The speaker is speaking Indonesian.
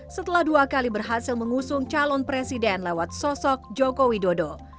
setelah dua kali berhasil mengusung calon presiden lewat sosok joko widodo